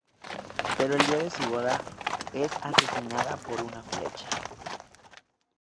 Pero el día de su boda, es asesinada por una flecha.